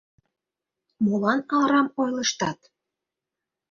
— Молан арам ойлыштат?